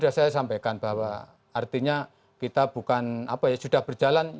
jadi kan sudah saya sampaikan bahwa artinya kita bukan apa ya sudah berjalan